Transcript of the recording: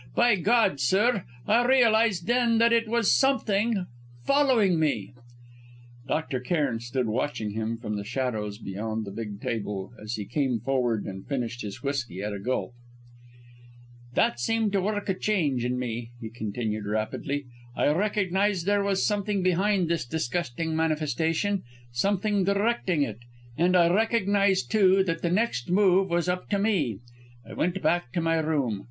By God, sir! I realised then that it was something ... following me!" Dr. Cairn stood watching him, from the shadows beyond the big table, as he came forward and finished his whisky at a gulp. "That seemed to work a change in me," he continued rapidly; "I recognised there was something behind this disgusting manifestation, something directing it; and I recognised, too, that the next move was up to me. I went back to my room.